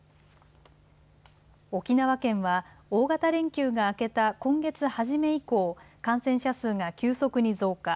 沖縄県は大型連休が明けた今月初め以降、感染者数が急速に増加。